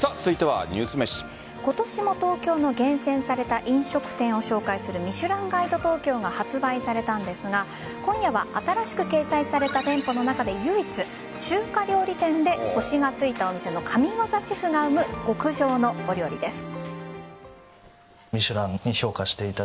今年も東京の厳選された飲食店を紹介する「ミシュランガイド東京」が発売されたんですが今夜は新しく掲載された店舗の中で、唯一中華料理店で星がついたお店の神業シェフが生む極上のお料理です。